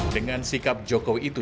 dengan sikap jokowi itu